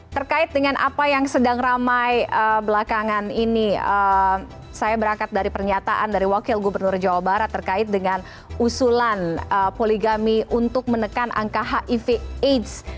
terkait dengan apa yang sedang ramai belakangan ini saya berangkat dari pernyataan dari wakil gubernur jawa barat terkait dengan usulan poligami untuk menekan angka hiv aids